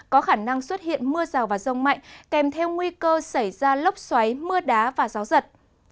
có khả năng xuất hiện mưa rào và rông mạnh kèm theo nguy cơ xảy ra lốc xoáy mưa đá và gió giật